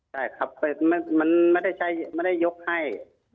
ใช่ครับมันไม่ได้ยกให้